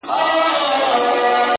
بیا خرڅ کړئ شاه شجاع یم پر پردیو؛